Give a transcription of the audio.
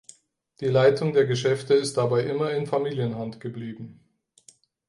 Die Leitung der Geschäfte ist dabei immer in Familienhand geblieben.